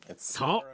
そう。